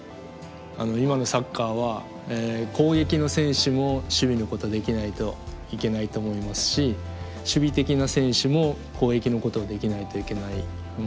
今のサッカーは攻撃の選手も守備のことできないといけないと思いますし守備的な選手も攻撃のことをできないといけない。